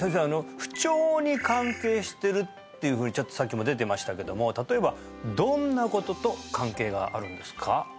あの不調に関係してるっていうふうにちょっとさっきも出てましたけども例えばどんなことと関係があるんですか？